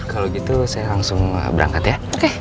kalau gitu saya langsung berangkat ya